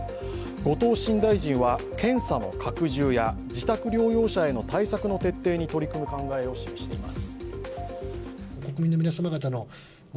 後藤新大臣は検査の拡充や自宅療養者への対策の徹底に取り組む考えを示しています。